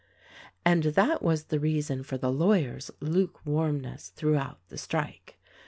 And that was the reason for the lawyer's lukewarm ness throughout the strike.